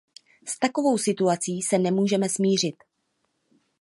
S takovou situací se nemůžeme smířit.